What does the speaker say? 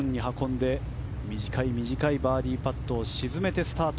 右サイドから運んで短いバーディーパットを沈めてスタート。